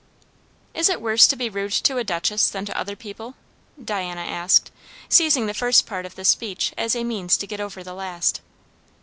"Is it worse to be rude to a duchess than to other people?" Diana asked, seizing the first part of this speech as a means to get over the last.